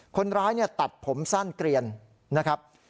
คนร้ายตัดผมสั้นเกลียนนะครับ